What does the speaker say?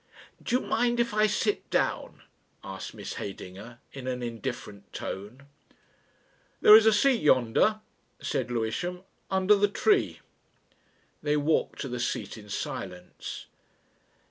"Do you mind if I sit down?" asked Miss Heydinger in an indifferent tone. "There is a seat yonder," said Lewisham, "under the tree." They walked to the seat in silence.